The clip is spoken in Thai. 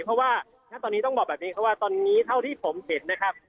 เพราะว่าณตอนนี้ต้องบอกแบบนี้ครับว่าตอนนี้เท่าที่ผมเห็นนะครับ